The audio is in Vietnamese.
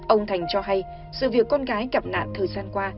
ông thành cho hay sự việc con gái gặp nạn thời gian qua